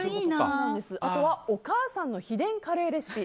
あとは、お母さんの秘伝カレーレシピ。